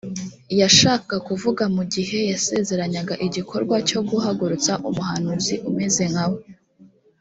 yashakaga kuvuga mu gihe yasezeranyaga igikorwa cyo guhagurutsa umuhanuzi umeze nka we